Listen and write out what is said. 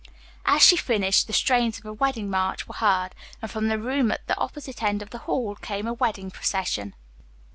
As she finished, the strains of a wedding march were heard, and from the room at the opposite side of the hall came a wedding procession.